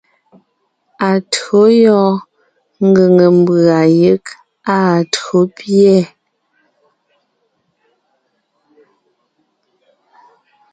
Atÿǒ yɔɔn ngʉ̀ŋe mbʉ̀a yeg áa tÿǒ pîɛ.